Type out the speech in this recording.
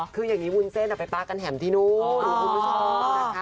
คือยังงี้วุ้นเส้นไปปลากันแหงมลงที่นู้น